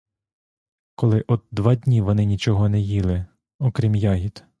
Коли от два дні вони нічого не їли, окрім ягід.